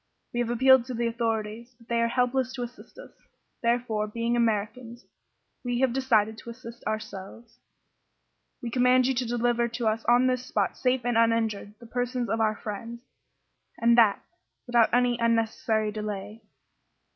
We have appealed to the authorities, but they are helpless to assist us. Therefore, being Americans, we have decided to assist ourselves. We command you to deliver to us on this spot, safe and uninjured, the persons of our friends, and that without any unnecessary delay."